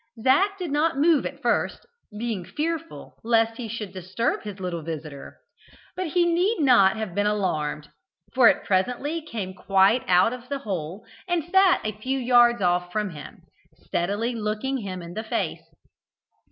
Zac did not move at first, being fearful lest he should disturb his little visitor; but he need not have been alarmed, for it presently came quite out of the hole and sat a few yards off from him, steadily looking him in the face.